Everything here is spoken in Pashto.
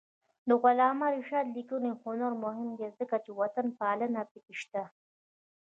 د علامه رشاد لیکنی هنر مهم دی ځکه چې وطنپالنه پکې شته.